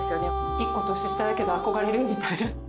１コ年下だけど憧れるみたいな。